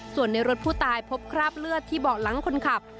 ส่วนในรถผู้ตายพบคราบเลือดที่เบาะหลังคนขับ